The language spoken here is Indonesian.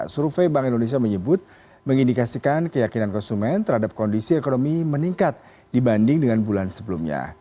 survei bank indonesia menyebut mengindikasikan keyakinan konsumen terhadap kondisi ekonomi meningkat dibanding dengan bulan sebelumnya